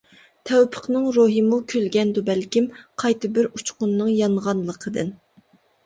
تەۋپىقنىڭ روھىمۇ كۈلگەندۇ بەلكىم، قايتا بىر ئۇچقۇننىڭ يانغانلىقىدىن.